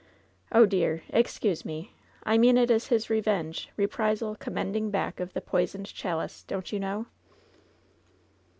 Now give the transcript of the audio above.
Oh, dear! Excuse me! I mean it is his revenge, reprisal, commending back of the poisoned chalice, don't you know